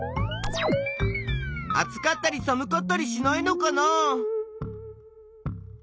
あつかったりさむかったりしないのかな？